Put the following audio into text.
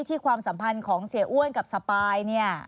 ความสัมพันธ์ของเสียอ้วนกับสปายเนี่ย